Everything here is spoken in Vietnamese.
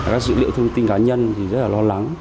các dữ liệu thông tin cá nhân thì rất là lo lắng